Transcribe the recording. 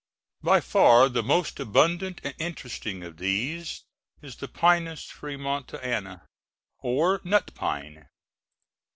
By far the most abundant and interesting of these is the Pinus Fremontiana, or nut pine.